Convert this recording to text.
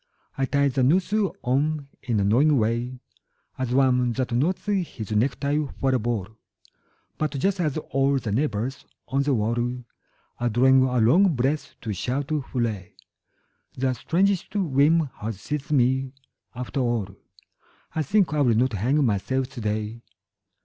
I tie the noose on in a knowing way As one that knots his necktie for a ball; But just as all the neighbours on the wall Are drawing a long breath to shout 'Hurray!' The strangest whim has seized me ... After all I think I will not hang myself today.